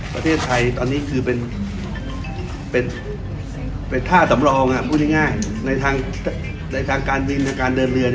ประเทศไทยตอนนี้เป็นท่าสำรองในทางการวินในทางการเดินเรือ